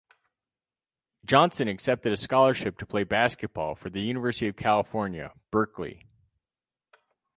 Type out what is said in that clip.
Johnson accepted a scholarship to play basketball for the University of California, Berkeley.